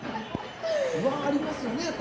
不安ありますよね